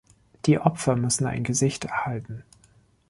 Die Opfer müssen ein Gesicht erhalten.